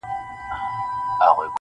پیرمحمد په ملغلرو بار کاروان دی,